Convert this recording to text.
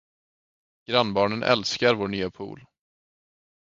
Grannbarnen älskar vår nya pool.